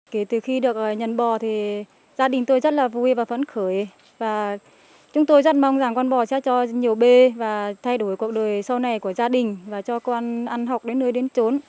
kể từ khi được nhận bò thì gia đình tôi rất là vui và phấn khởi và chúng tôi rất mong rằng con bò sẽ cho nhiều bê và thay đổi cuộc đời sau này của gia đình và cho con ăn học đến nơi đến trốn